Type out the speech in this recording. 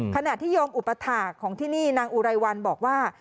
ขณะที่โยงอุปถาของที่นี่นางอุไรวัลบอกว่า